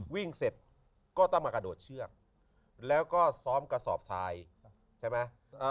วิ่งเสร็จก็ต้องมากระโดดเชือกแล้วก็ซ้อมกระสอบทรายใช่ไหม